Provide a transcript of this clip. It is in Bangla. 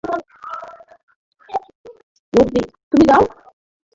রদ্রিগেজের সঙ্গে সেলফি তুলে তৃপ্ত সেই দর্শককে চলে যেতে দিয়েছেন গ্যালারিতে।